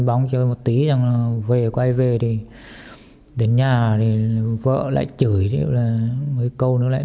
đồng thời cho con mong thi tiency giải truyền thao mm